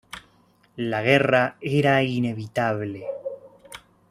La guerra era inevitable.